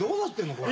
これ。